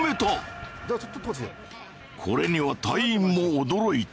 これには隊員も驚いた。